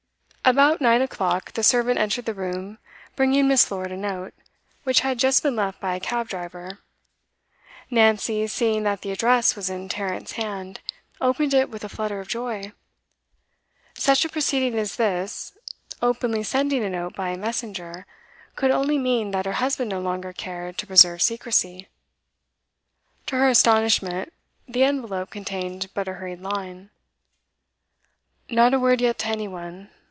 About nine o'clock the servant entered the room, bringing Miss. Lord a note, which had just been left by a cab driver. Nancy, seeing that the address was in Tarrant's hand, opened it with a flutter of joy; such a proceeding as this, openly sending a note by a messenger, could only mean that her husband no longer cared to preserve secrecy. To her astonishment, the envelope contained but a hurried line. 'Not a word yet to any one.